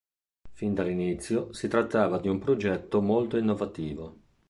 Fin dall'inizio, si trattava di un progetto molto innovativo.